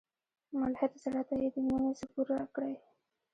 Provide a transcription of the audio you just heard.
ملحد زړه ته یې د میني زبور راکړی